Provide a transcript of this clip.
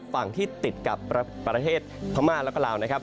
ฝั่งที่ติดกับประเทศพม่าแล้วก็ลาวนะครับ